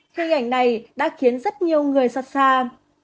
hình ảnh này đã khiến rất nhiều người xặt xa